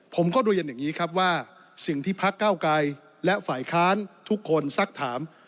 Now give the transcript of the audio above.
ผมก็เรียนอย่างนี้ครับว่าสิ่งที่พักเก้าไกรและฝ่ายค้านทุกคนซักถาม